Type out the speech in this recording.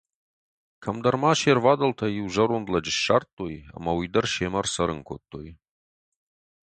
Кӕмдӕр ма се ʼрвадӕлтӕй иу зӕронд лӕджы ссардтой ӕмӕ уый дӕр семӕ ӕрцӕрын кодтой.